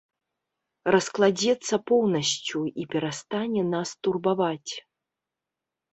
Раскладзецца поўнасцю і перастане нас турбаваць.